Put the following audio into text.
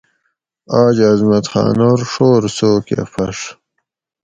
آج عظمت خانور ڛور سو کہ پھڛ